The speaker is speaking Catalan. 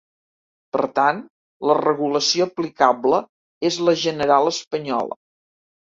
Per tant, la regulació aplicable és la general espanyola.